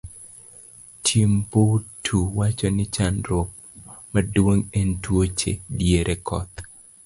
Tumbuti wacho ni chandruok maduong' en tuoche diere koth.